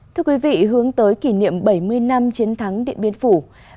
thưa quý vị hướng tới kỷ niệm bảy mươi năm chiến thắng điện biên phủ